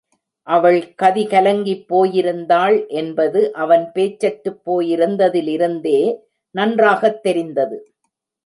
அவள் கதிகலங்கிப் போயிருந்தாள் என்பது அவன் பேச்சற்றுப் போயிருந்ததிலிருந்தே நன்றாகத் தெரிந்தது.